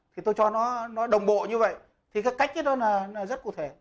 thì tôi cho nó đồng bộ như vậy thì cái cách đó là rất cụ thể